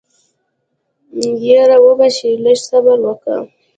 يره وبه شي لږ صبر وکه.